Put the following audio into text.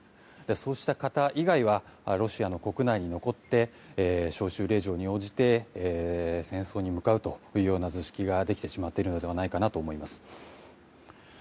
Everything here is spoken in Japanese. そうした方以外はロシアの国内に残って招集令状に応じて戦争に向かうというような図式ができてしまってるのではないかなと思います。